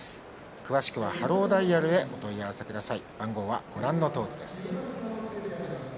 詳しくはハローダイヤルへお問い合わせください。